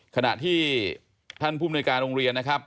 ขณะที่ท่านภูมิในการโรงเรียนนะครับ